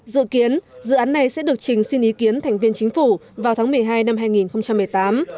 dự kiến dự án này sẽ được trình xin ý kiến thành viên chính phủ vào tháng một mươi hai năm hai nghìn một mươi tám